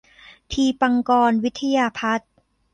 ทีปังกรวิทยาพัฒน์